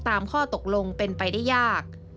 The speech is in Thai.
ข้อตกลงเป็นไปได้ยาก